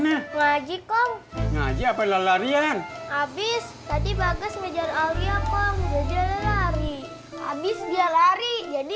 ngaji ngaji apel larian habis tadi bagus meja alia kong jajan lari habis dia lari jadi